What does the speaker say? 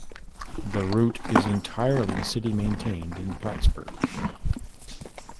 The route is entirely city-maintained in Plattsburgh.